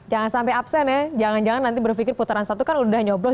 jangan sampai absen ya jangan jangan nanti berpikir putaran satu kan udah nyoblos